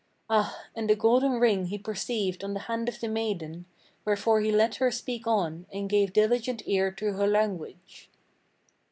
Ah! and the golden ring he perceived on the hand of the maiden, Wherefore he let her speak on, and gave diligent ear to her language.